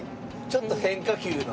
ちょっと変化球な。